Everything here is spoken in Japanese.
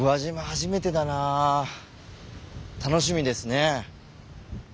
初めてだな楽しみですね。